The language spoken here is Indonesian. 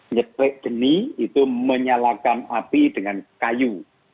nyetrik deni itu menyalakan api dengan kayu